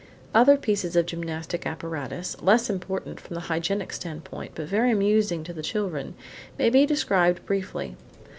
Other pieces of gymnastic apparatus, less important from the hygienic standpoint, but very amusing to the children, may be described briefly.